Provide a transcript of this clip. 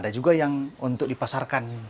ada juga yang untuk dipasarkan